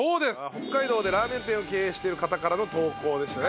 北海道でラーメン店を経営してる方からの投稿でしたね。